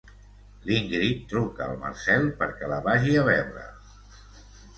L'Ingrid truca el Marcel perquè la vagi a veure.